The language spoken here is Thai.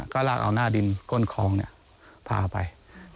ก็ลากเอาหน้าดินก้นคลองพาไป